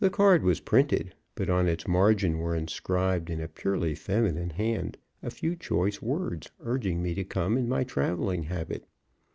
The card was printed, but on its margin were inscribed in a purely feminine hand a few choice words urging me to come in my traveling habit.